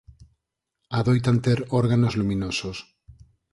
Adoitan ter órganos luminosos.